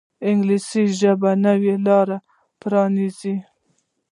انګلیسي د ژوند نوې لارې پرانیزي